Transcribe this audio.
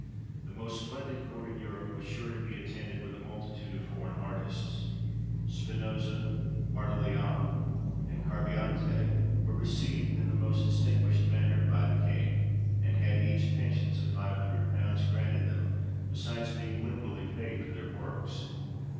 The most splendid court in Europe was sure to be attended with a multitude of foreign artists. Spinoza, Martileat, and Carviante, were received in the most distinguished manner by the King, and had each pensions of five hundred pounds granted them, besides being liberally paid for their works.